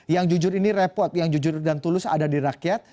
yang jujur ini repot yang jujur dan tulus ada di rakyat